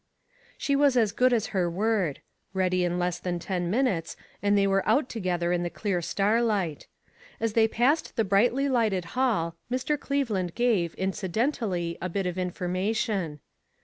She was as good as her word ; ready in less than ten minutes, and they were out together in the clear starlight. As they passed the brightly lighted hall, Mr. Cleve land gave, incidentally, a bit of information.